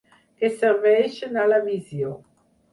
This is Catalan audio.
Que serveixen a la visió.